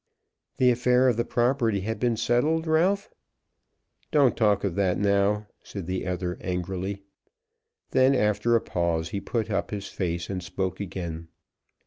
"The affair of the property had been settled, Ralph?" "Don't talk of that now," said the other angrily. Then, after a pause, he put up his face and spoke again.